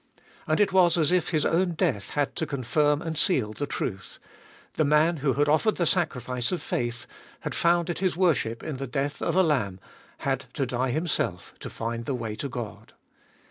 And it was as if his own death had to confirm and seal the truth ; the man who had offered the sacrifice of faith, had founded his worship in the death of a lamb, had to die himself to find the way to God.